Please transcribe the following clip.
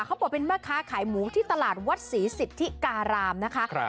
เขาบอกเป็นแม่ค้าขายหมูที่ตลาดวัดศรีสิทธิการามนะคะ